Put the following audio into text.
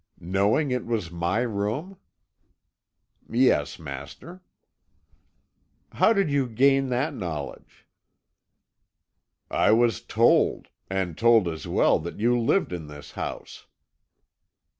"Knowing it was my room?" "Yes, master." "How did you gain that knowledge?" "I was told and told, as well, that you lived in this house."